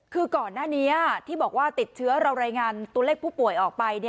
คือก่อนหน้านี้ที่บอกว่าติดเชื้อเรารายงานตัวเลขผู้ป่วยออกไป